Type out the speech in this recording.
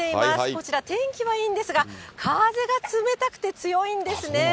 こちら、天気はいいんですが、風が冷たくて強いんですね。